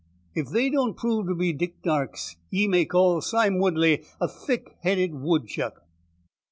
If they don't prove to be Dick Darke's, ye may call Sime Woodley a thick headed woodchuck."